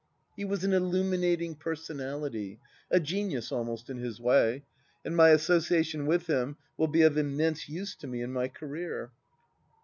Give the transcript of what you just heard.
He was an illuminating per sonality, a genius almost in his way, and my association with him wDl be of immense use to me in my career.